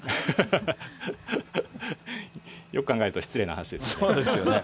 よく考えると失礼な話ですよね。